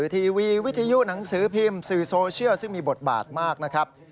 ทีวีวิทยุหนังสือพิมพ์สื่อโซเชียลซึ่งมีบทบาทมากนะครับ